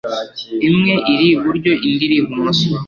imwe iri iburyo indi iri ibumoso